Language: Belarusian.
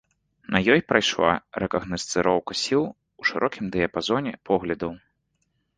На ёй прайшла рэкагнасцыроўка сіл у шырокім дыяпазоне поглядаў.